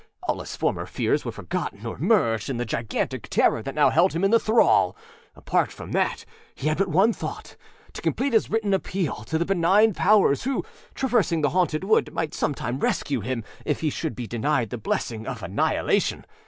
All his former fears were forgotten or merged in the gigantic terror that now held him in thrall. Apart from that, he had but one thought: to complete his written appeal to the benign powers who, traversing the haunted wood, might some time rescue him if he should be denied the blessing of annihilation.